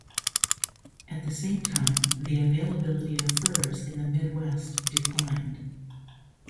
At the same time, the availability of furs in the Midwest declined.